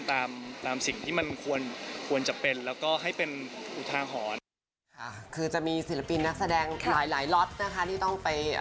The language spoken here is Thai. ตามสิ่งที่มันควรจะเป็นแล้วก็ให้เป็นอุทาหอน